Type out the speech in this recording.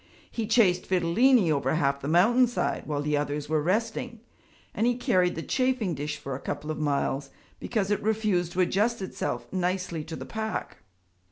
He chased Fidilini over half the mountainside while the others were resting, and he carried the chafing dish for a couple of miles because it refused to adjust itself nicely to the pack.